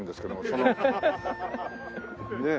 そのねえ。